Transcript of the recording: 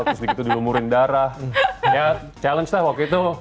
terus dikit dilumurin darah ya challenge lah waktu itu